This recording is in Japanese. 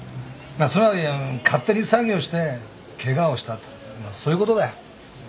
まあつまり勝手に作業してケガをしたとまあそういうことだよ。